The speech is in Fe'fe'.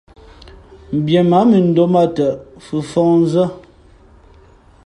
Mbie mǎ mʉndōm ā tαꞌ fhʉ̄ mfα̌hnzά.